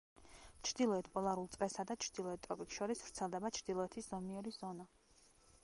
ჩრდილოეთ პოლარულ წრესა და ჩრდილოეთ ტროპიკს შორის ვრცელდება ჩრდილოეთის ზომიერი ზონა.